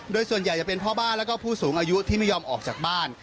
โดยส่วนใหญ่จะเป็นพ่อบ้านแล้วก็ผู้สูงอายุที่ไม่ยอมออกจากบ้าน